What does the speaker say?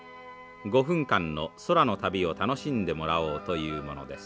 ５分間の空の旅を楽しんでもらおうというものです。